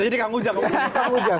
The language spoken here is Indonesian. bisa jadi kang ujang